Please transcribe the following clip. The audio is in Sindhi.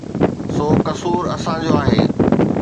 سو قصور اسان جو آهي.